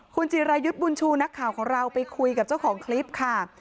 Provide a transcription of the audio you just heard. คุณจิรายุทธ์บุญชูนักข่าวของเราไปคุยกับเจ้าของคลิปค่ะ